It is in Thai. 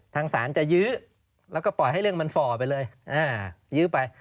ทางศาลจะยื้อแล้วก็ปล่อยให้เรื่องมันฝ่อไปเลยยื้อไป